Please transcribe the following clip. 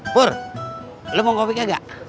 pur lu mau kopi kagak